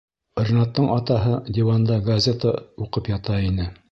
Ринаттың атаһы диванда газета уҡып ята ине.